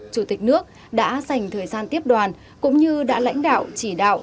chủ tịch nước đã dành thời gian tiếp đoàn cũng như đã lãnh đạo chỉ đạo